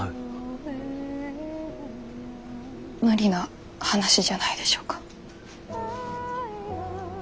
無理な話じゃないでしょうか。